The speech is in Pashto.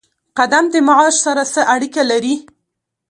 قدم د معاش سره څه اړیکه لري؟